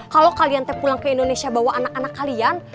kalau kalian terpulang ke indonesia bawa anak anak kalian